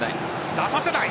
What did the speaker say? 出させない。